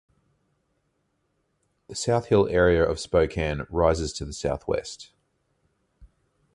The South Hill area of Spokane rises to the southwest.